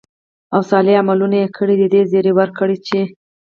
او صالح عملونه ئې كړي، د دې زېرى وركړه چې: